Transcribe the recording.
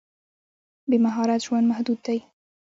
بې مهارت ژوند محدود دی.